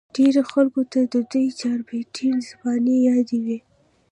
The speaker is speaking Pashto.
ډېرو خلقو ته د دوي چاربېتې زباني يادې وې